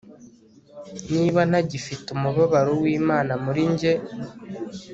niba ntagifite umubabaro w'imana muri njye